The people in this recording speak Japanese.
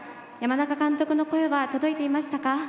山中監督の声は届いていましたか？